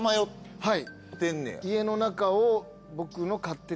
はい。